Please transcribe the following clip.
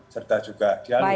serta juga di alur